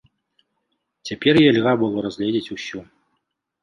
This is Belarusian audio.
Цяпер яе льга было разгледзець усю.